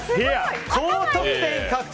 高得点獲得！